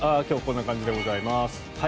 今日はこんな感じでございます。